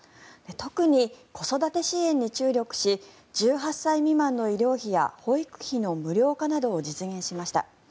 特に子育て支援に注力し１８歳未満の医療費や保育費の無料化などを実現しました。